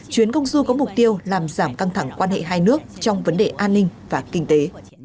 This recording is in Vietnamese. chuyến công du có mục tiêu làm giảm căng thẳng quan hệ hai nước trong vấn đề an ninh và kinh tế